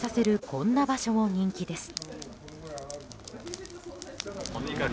こんな場所も人気です。